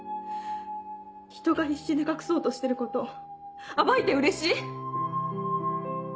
ひとが必死に隠そうとしてること暴いてうれしい？